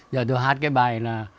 giờ tôi hát cái bài là